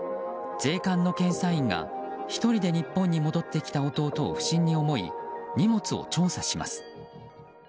税関の検査員が１人で日本に戻ってきた弟を不審に思い、荷物を調査します。